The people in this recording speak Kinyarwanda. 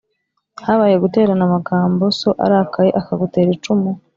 Habaye Guterana Amagambo So Arakaye Akagutera Icumu